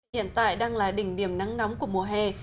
hiện tại đang là đỉnh điểm nắng nóng của mùa hè